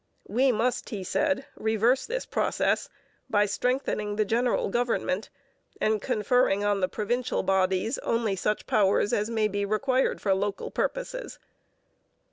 'We must,' he said, 'reverse this process by strengthening the general government and conferring on the provincial bodies only such powers as may be required for local purposes.'